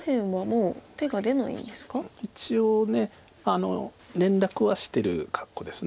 一応連絡はしてる格好です。